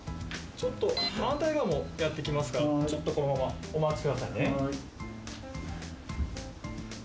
反対側もやってきますからちょっとそのままお待ちくださいね。